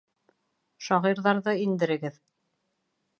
Шағирҙарҙы индерегеҙ.